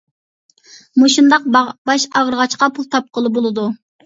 مۇشۇنداق باش ئاغرىغاچقا پۇل تاپقىلى بولىدۇ.